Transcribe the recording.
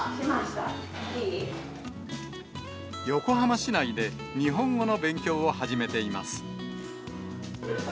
横浜市内で日本語の勉強を始めています。